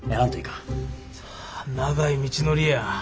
長い道のりや。